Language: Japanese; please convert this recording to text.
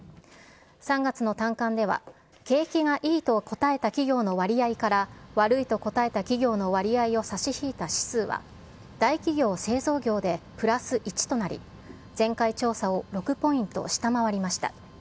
３月の短観では、景気がいいと答えた企業の割合から悪いと答えた企業の割合を差し引いた指数は、大企業・製造業でプラス１となり、前回調査を６ポイント下回りました。